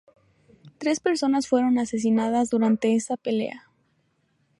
Tres personas fueron asesinadas durante esa pelea.